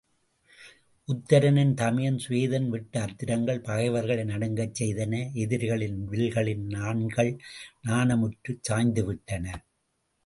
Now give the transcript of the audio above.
உத்தரனின் தமையன் சுவேதன் விட்ட அத்திரங்கள் பகைவர்களை நடுங்கச் செய்தன எதிரிகளின் வில்களின் நாண்கள் நாணமுற்றுச் சாய்ந்துவிட்டன.